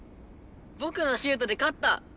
僕のシュートで勝った！